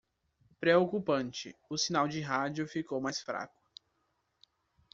Preocupante, o sinal de rádio ficou mais fraco.